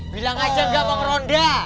bilang aja gak mau ngeronda